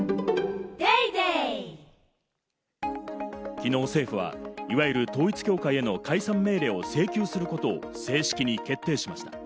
きのう、政府はいわゆる統一教会への解散命令を請求することを正式に決定しました。